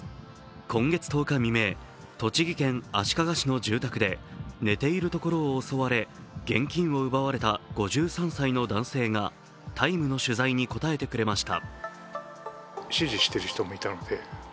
今月１０日未明、栃木県足利市の住宅で寝ているところを襲われ現金を奪われた５３歳の男性が「ＴＩＭＥ，」の取材に答えてくれました。